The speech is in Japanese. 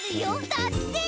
だって。